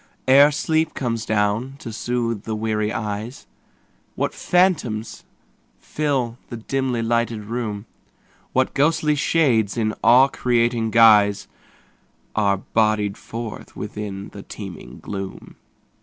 Ere sleep comes down to soothe the weary eyes, What phantoms fill the dimly lighted room; What ghostly shades in awe creating guise Are bodied forth within the teeming gloom.